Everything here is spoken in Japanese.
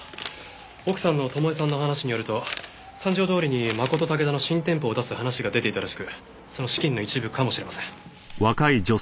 奥さんの巴さんの話によると三条通にマコトタケダの新店舗を出す話が出ていたらしくその資金の一部かもしれません。